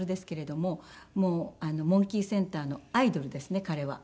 もうモンキーセンターのアイドルですね彼は。